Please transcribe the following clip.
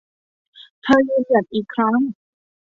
เธอยืนหยัดอีกครั้ง